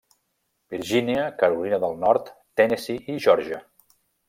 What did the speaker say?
Virgínia, Carolina del Nord, Tennessee i Geòrgia.